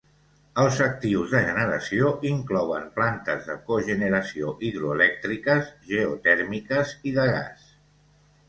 Els actius de generació inclouen plantes de cogeneració hidroelèctriques, geotèrmiques i de gas.